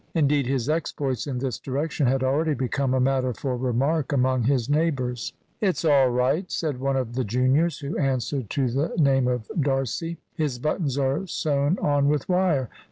Indeed, his exploits in this direction had already become a matter for remark among his neighbours. "It's all right," said one of the juniors, who answered to the name of D'Arcy; "his buttons are sewn on with wire.